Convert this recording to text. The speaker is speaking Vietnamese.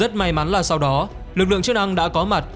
rất may mắn là sau đó lực lượng chức năng đã có mặt